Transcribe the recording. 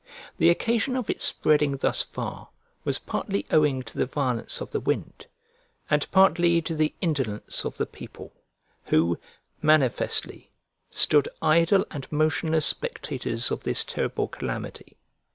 The occasion of its spreading thus far was partly owing to the violence of the wind, and partly to the indolence of the people, who, manifestly, stood idle and motionless spectators of this terrible calamity.